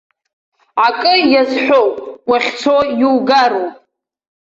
Акы иазҳәоуп, уахьцо иугароуп.